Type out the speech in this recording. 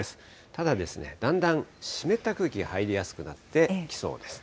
ただですね、だんだん湿った空気が入りやすくなってきそうです。